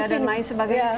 fobia dan lain sebagainya